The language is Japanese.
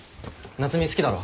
夏海好きだろ。